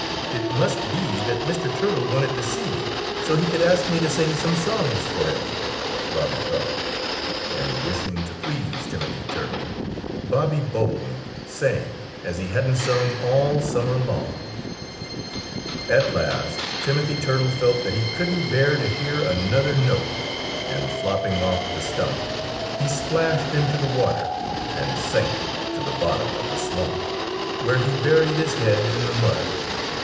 "It must be that Mr. Turtle wanted to see me so he could ask me to sing some songs for him," Bobby thought. And wishing to please Timothy Turtle, Bobby Bobolink sang as he hadn't sung all summer long. At last Timothy Turtle felt that he couldn't bear to hear another note. And flopping off the stump, he splashed into the water and sank to the bottom of the swamp, where he buried his head in the mud.